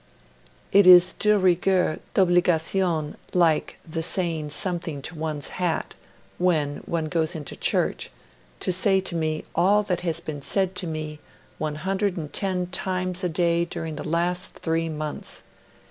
It is de rigueur, d'obligation, like the saying something to one's hat, when one goes into church, to say to me all that has been said to me 110 times a day during the last three months.